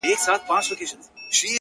هم جوګي وو هم دروېش هم قلندر وو!.